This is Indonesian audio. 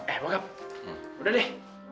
eh bokap udah deh